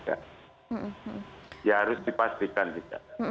ya harus dipastikan juga